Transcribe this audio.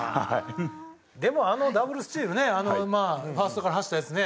でもあのダブルスチールねファーストから走ったやつね。